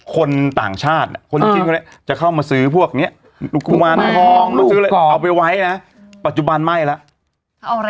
คนต่างชาติจะเข้ามาซื้อพวกนี้ลูกกุมารทองเอาไปไว้นะปัจจุบันไหม้แล้ว